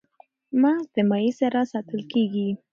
مغز د مایع سره ساتل کېږي.